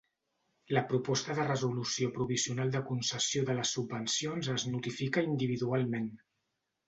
La proposta de resolució provisional de concessió de les subvencions es notifica individualment.